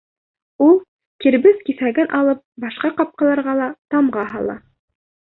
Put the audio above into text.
Ул, кирбес киҫәген алып, башҡа ҡапҡаларға ла тамға һала.